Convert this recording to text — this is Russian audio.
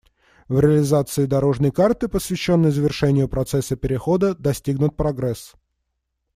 В реализации «дорожной карты», посвященной завершению процесса перехода, достигнут прогресс.